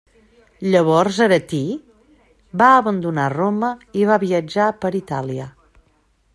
Llavors Aretí va abandonar Roma i va viatjar per Itàlia.